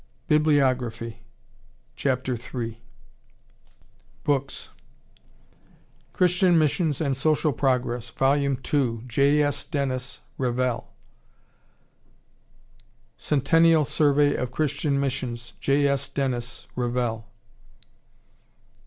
BIBLIOGRAPHY. CHAPTER III. BOOKS Christian Missions and Social Progress, Vol. ii, J. S. Dennis, (Revell.) Centennial Survey of Christian Missions, J. S. Dennis, (Revell.)